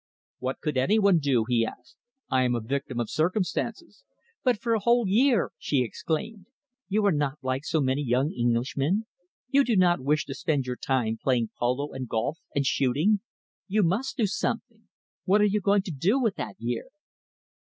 "What could any one do?" he asked. "I am the victim of circumstances." "But for a whole year!" she exclaimed. "You are not like so many young Englishmen. You do not wish to spend your time playing polo and golf, and shooting. You must do something. What are you going to do with that year?"